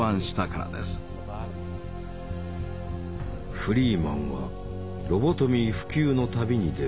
フリーマンはロボトミー普及の旅に出る。